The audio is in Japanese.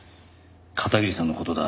片桐さんの事だ。